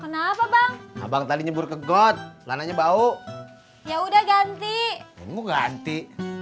kenapa bang abang tadi nyembur ke god lananya bau ya udah ganti nganti